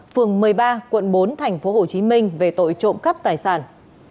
phường một mươi ba quận bốn tp hcm về tội trộm cắp tài sản